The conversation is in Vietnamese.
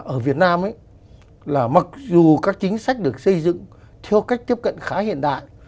ở việt nam là mặc dù các chính sách được xây dựng theo cách tiếp cận khá hiện đại